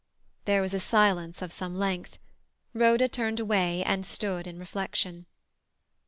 There was a silence of some length. Rhoda turned away, and stood in reflection.